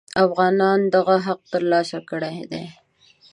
افغانانو دغه حق تر لاسه کړی دی.